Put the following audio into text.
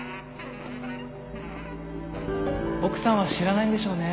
奥さんは知らないんでしょうね。